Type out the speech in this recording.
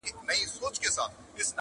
د احمق نوم يې پر ځان نه سو منلاى!.